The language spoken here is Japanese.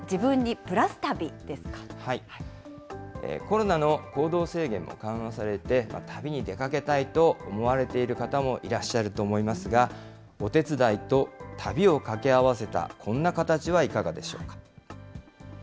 コロナの行動制限も緩和されて、旅に出かけたいと思われている方もいらっしゃると思いますが、お手伝いと旅を掛け合わせたこんな形はいかがでしょうか。